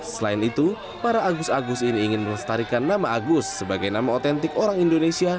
selain itu para agus agus ini ingin melestarikan nama agus sebagai nama otentik orang indonesia